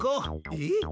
えっ？